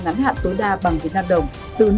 ngắn hạn tối đa bằng việt nam đồng từ năm